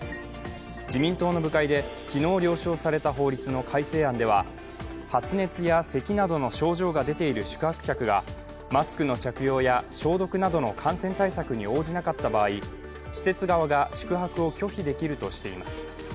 自民党の部会で昨日了承された法律の改正案では発熱やせきなどの症状が出ている宿泊客がマスクの着用や消毒などの感染対策に応じなかった場合、施設側が宿泊を拒否できるとしています。